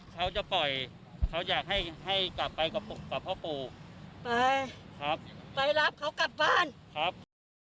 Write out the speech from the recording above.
เจ้าที่เจ้าทางที่นี่เขาไม่กลับ